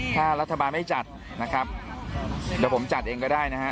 ถ้ารัฐบาลไม่จัดนะครับเดี๋ยวผมจัดเองก็ได้นะฮะ